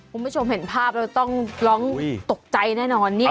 คุณผู้ชมเห็นภาพเราต้องร้องตกใจแน่นอน